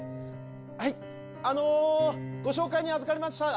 あのご紹介にあずかりました。